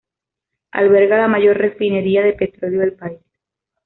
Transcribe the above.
Alberga la mayor refinería de petróleo del país.